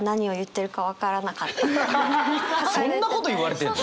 そんなこと言われてんの？